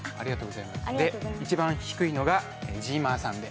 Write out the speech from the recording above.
一番低いのがじーまーさんで。